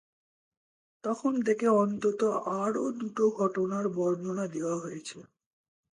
তখন থেকে অন্তত আরও দুটো ঘটনার বর্ণনা দেওয়া হয়েছে।